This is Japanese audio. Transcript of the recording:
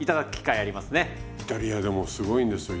イタリアでもすごいんですよ。